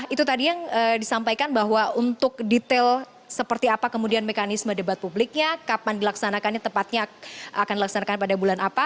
itu tadi yang disampaikan bahwa untuk detail seperti apa kemudian mekanisme debat publiknya kapan dilaksanakannya tepatnya akan dilaksanakan pada bulan apa